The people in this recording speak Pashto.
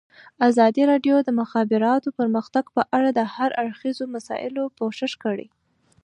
ازادي راډیو د د مخابراتو پرمختګ په اړه د هر اړخیزو مسایلو پوښښ کړی.